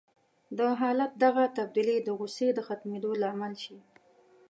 د حالت دغه تبديلي د غوسې د ختمېدو لامل شي.